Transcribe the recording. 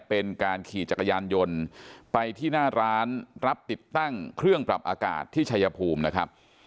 เป็นการขี่จักรยานยนต์ไปที่หน้าร้านรับติดตั้งเครื่องปรับอากาศที่ชายภูมินะครับ